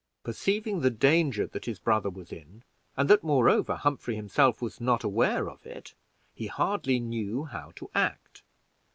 Perceiving the danger that his brother was in, and that, moreover, Humphrey himself was not aware of it, he hardly knew how to act.